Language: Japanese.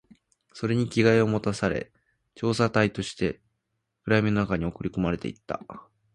それに着替えを持たされ、調査隊として暗闇の中に送り込まれていった